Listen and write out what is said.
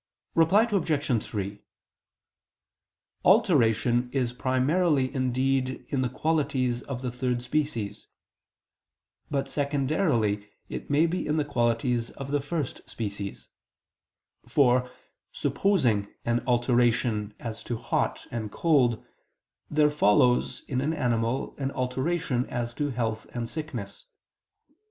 Reply Obj. 3: Alteration is primarily indeed in the qualities of the third species; but secondarily it may be in the qualities of the first species: for, supposing an alteration as to hot and cold, there follows in an animal an alteration as to health and sickness.